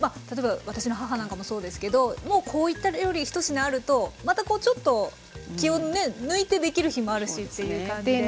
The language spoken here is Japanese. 例えば私の母なんかもそうですけどもうこういった料理一品あるとまたこうちょっと気を抜いてできる日もあるしっていう感じで。